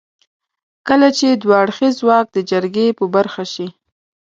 کله چې دوه اړخيز واک د جرګې په برخه شي.